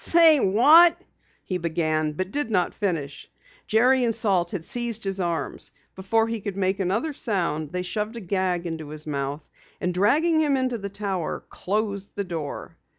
"Say, what " he began but did not finish. Jerry and Salt had seized his arms. Before he could make another sound, they shoved a gag into his mouth, and dragging him into the Tower, closed the door.